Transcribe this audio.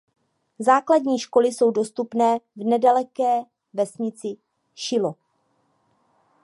Základní školy jsou dostupné v nedaleké vesnici Šilo.